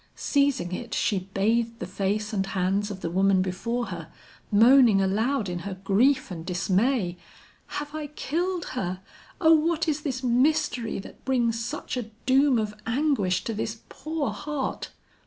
Seizing it, she bathed the face and hands of the woman before her, moaning aloud in her grief and dismay, "Have I killed her! O what is this mystery that brings such a doom of anguish to this poor heart?"